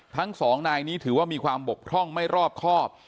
ทั้งสองนายนี้ถือว่ามีความบกพร่องไม่รอบครอบ